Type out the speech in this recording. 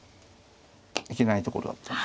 いけないところだった。